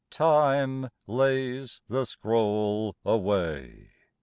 Time lays the scroll away.